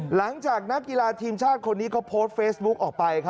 หลังจากนักกีฬาทีมชาติคนนี้เขาโพสต์เฟซบุ๊กออกไป